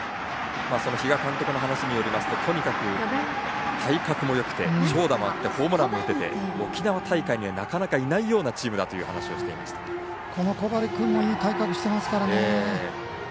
比嘉監督の話によりますととにかく体格もよくて、長打もあってホームランも打てて沖縄大会にはなかなかいないようなチームだと話していました。